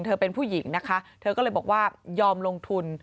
เธอเป็นผู้หญิงนะคะเธอก็เลยบอกว่ายอมลงทุน